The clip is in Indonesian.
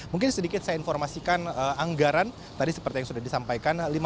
mungkin sedikit saya informasikan anggaran tadi seperti yang sudah disampaikan